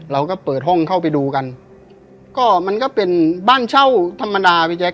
เราก็เปิดห้องเข้าไปดูกันก็มันก็เป็นบ้านเช่าธรรมดาพี่แจ๊